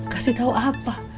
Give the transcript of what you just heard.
kasih tau apa